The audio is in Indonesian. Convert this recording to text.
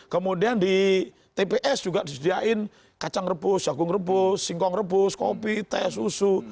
kemudian di tps juga disediakan kacang rebus jagung rebus singkong rebus kopi teh susu